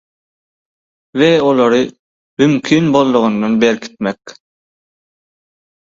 we olary mümkin boldugyndan berkitmek